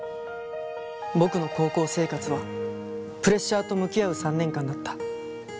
僕の高校生活はプレッシャーと向き合う３年間だった。